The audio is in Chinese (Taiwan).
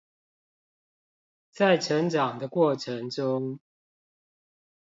在成長的過程中